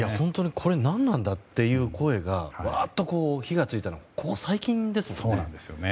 これ、何なんだという声が、わーっと火が付いたのはここ最近ですよね。